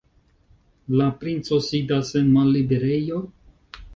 La princo sidas en malliberejo?